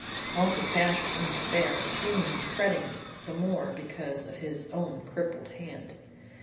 Uncle Cash was in despair, fuming and fretting the more because of his own crippled hand.